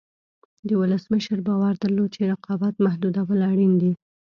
ولسمشر باور درلود چې رقابت محدودول اړین دي.